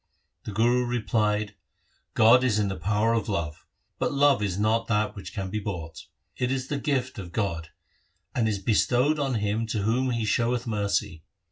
The Guru replied, ' God is in the power of love, but love is not that which can be bought. It is the gift of God, and is bestowed on him to whom He showeth mercy.